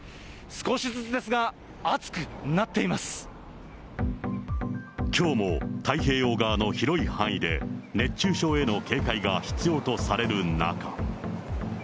少しずつですが、暑くなっていまきょうも太平洋側の広い範囲で、熱中症への警戒が必要とされる中。